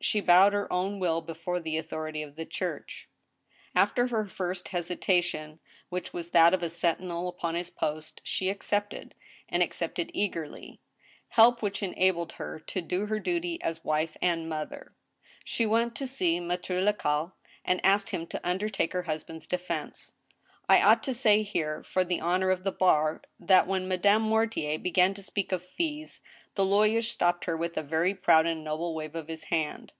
She bowed her own will before the authority of the Church. After her first hesitation, which was that of a sentinel upon his post, she accepted — ^and accepted eagerly— help which enabled her to do her duty as a wife and mother. She went to see Maitre Lacaille, and asked him to undertake her husband's defense. I ought to say here, for the honor of the bar, that, when Madame Mortier began to speak of fees, the lawyer stopped her with a very proud and noble wave of his hand.